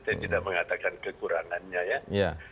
saya tidak mengatakan kekurangannya ya